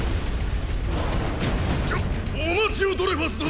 ちょっお待ちをドレファス殿！